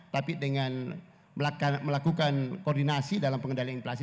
tapi dengan melakukan koordinasi dalam pengendalian inflasi